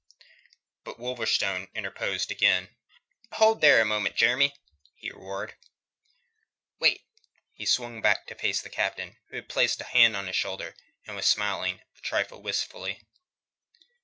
But Wolverstone interposed again. "Hold there a moment, Jeremy!" he roared. "Wait!" He swung back to face the Captain, who had placed a hand on is shoulder and was smiling, a trifle wistfully.